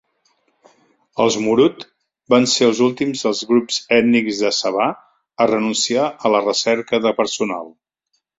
Els Murut van ser els últims dels grups ètnics de Sabah a renunciar a la recerca de personal.